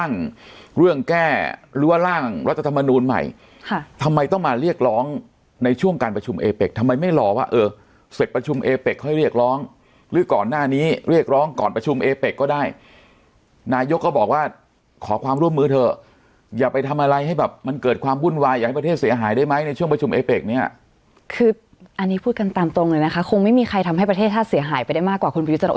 ่งเรื่องแก้รั่วร่างรัฐธรรมนูนใหม่ค่ะทำไมต้องมาเรียกร้องในช่วงการประชุมเอเป็กทำไมไม่รอว่าเออเสร็จประชุมเอเป็กให้เรียกร้องหรือก่อนหน้านี้เรียกร้องก่อนประชุมเอเป็กก็ได้นายก็บอกว่าขอความร่วมมือเถอะอย่าไปทำอะไรให้แบบมันเกิดความวุ่นวายอยากให้ประเทศเสียหายได้ไหมในช่วงประชุมเอเป็